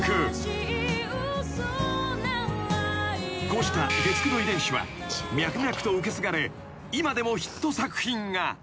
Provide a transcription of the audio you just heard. ［こうした月９の遺伝子は脈々と受け継がれ今でもヒット作品が］